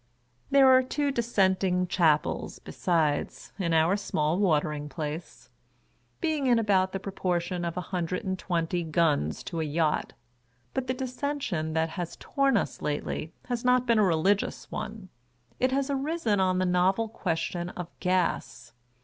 There are two dissenting chapels, besides, in our small Watering Place ; being in about the proportion of a hundred and twenty guns to a yacht. But the dissension that has torn us lately, has not been a religious one. It has arisen on the novel question of Gas.